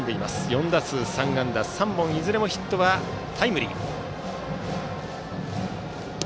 ４打数３安打３本いずれもヒットはタイムリー。